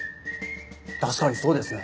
確かにそうですね。